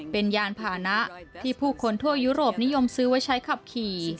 เป็นยานพานะที่ผู้คนทั่วยุโรปนิยมซื้อไว้ใช้ขับขี่